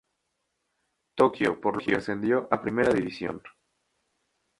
Tokyo, por lo que ascendió a Primera División.